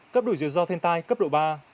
cấp đủ dự do thiên tai cấp độ ba